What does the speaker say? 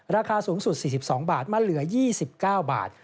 ราคาสูงสุด๔๒บาทมันเหลือ๒๙บาท